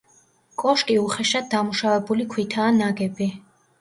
კოშკი უხეშად დამუშავებული ქვითაა ნაგები.